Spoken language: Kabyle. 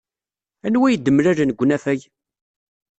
Anwa ay d-mlalen deg unafag?